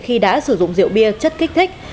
khi đã sử dụng rượu bia chất kích thích